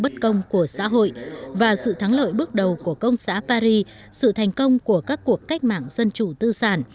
bất công của xã hội và sự thắng lợi bước đầu của công xã paris sự thành công của các cuộc cách mạng dân chủ tư sản